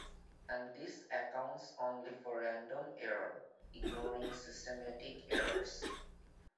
And this accounts only for random error, ignoring systematic errors.